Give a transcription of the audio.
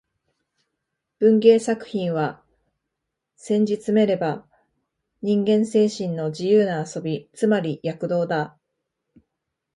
文芸作品は、せんじつめれば人間精神の自由な遊び、つまり躍動だ